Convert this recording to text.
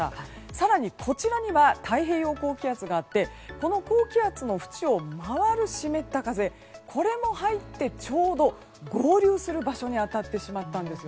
更に、こちらには太平洋高気圧があってこの高気圧のふちを回る湿った風これも入ってちょうど合流する場所に当たってしまったんです。